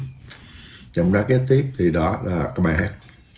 trận bóng đá kế tiếp thì đó là bài hát